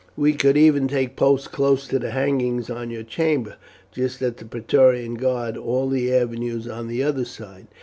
We could even take post close to the hangings of your chamber, just as the Praetorians guard all the avenues on the other side.